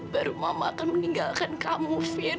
baru mama akan meninggalkan kamu fir